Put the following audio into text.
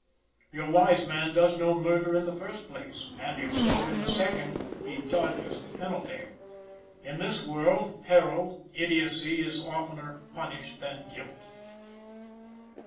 Your wise man does no murder in the first place, and if so, in the second, he dodges the penalty. In this world, Harold, idiotcy is oftener punished than guilt.